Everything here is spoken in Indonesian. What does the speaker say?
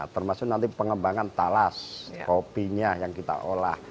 termasuk nanti pengembangan talas kopinya yang kita olah